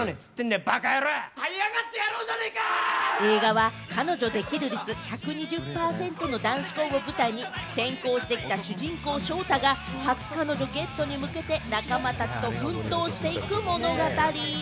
映画は彼女できる率１２０％の男子校を舞台に転校してきた主人公・勝太が、初彼女ゲットに向けて仲間たちと奮闘していく物語。